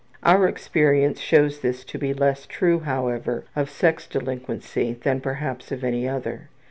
Our experience shows this to be less true, however, of sex delinquency than perhaps of any other.